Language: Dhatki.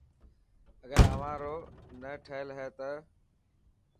اگر اوهان رون نه ٺهيل هي ته.